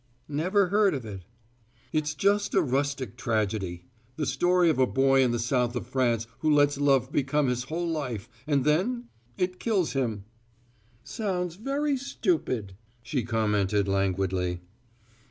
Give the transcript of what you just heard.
"Never heard of it." "It's just a rustic tragedy, the story of a boy in the south of France who lets love become his whole life, and then it kills him." "Sounds very stupid," she commented languidly.